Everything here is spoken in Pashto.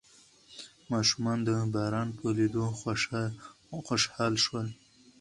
ماشومان د باران په لیدو خوشحال شول.